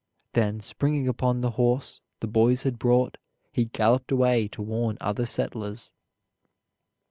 Then springing upon the horse the boys had brought, he galloped away to warn other settlers.